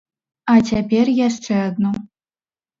А цяпер яшчэ адну.